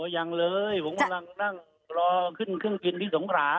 อย่างเลยผมกำลังรอขึ้นเครื่องกินที่สงสารค่ะ